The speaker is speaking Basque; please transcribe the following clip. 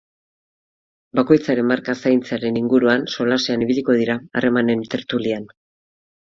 Bakoitzaren marka zaintzearen inguruan solasean ibiliko dira harremanen tertulian.